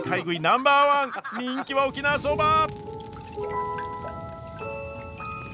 ナンバーワン人気は沖縄そば！